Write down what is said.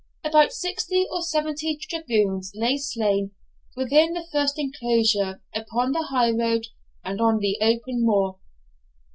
About sixty or seventy dragoons lay slain within the first enclosure, upon the highroad, and on the open moor.